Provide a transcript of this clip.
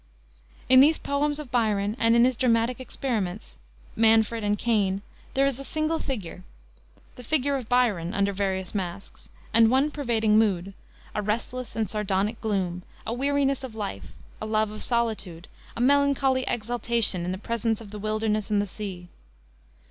In these poems of Byron, and in his dramatic experiments, Manfred and Cain, there is a single figure the figure of Byron under various masks and one pervading mood, a restless and sardonic gloom, a weariness of life, a love of solitude, and a melancholy exaltation in the presence of the wilderness and the sea.